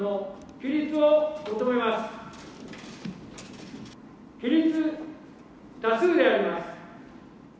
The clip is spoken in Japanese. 起立多数であります。